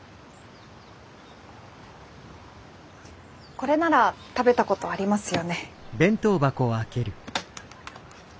これなら食べたことありますよね？